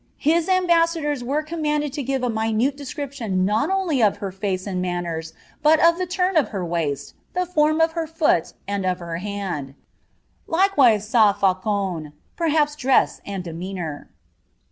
Hi were commanded to give a minute description doi only of her face wd manners, but of the turn of her waist, the form of her foot and of htr hand; likewise tn fiu; ovn, perhaps dress and demeanour.